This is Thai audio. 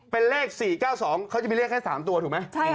เป็นเลข๔๙๒เขาจะมีเลขแค่๓ตัวถูกไหม